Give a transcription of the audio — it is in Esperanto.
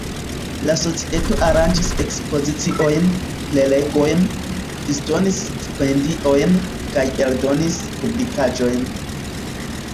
La societo aranĝis ekspoziciojn, prelegojn, disdonis stipendiojn kaj eldonis publikaĵojn.